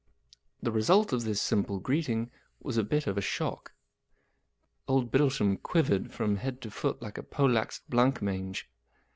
The result of this simple greeting was a bit of a shock. Old Bittlesham quivered from head to foot like a poleaxed blanc¬ mange.